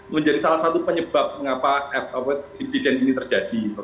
menjadi salah satu penyebab mengapa insiden ini terjadi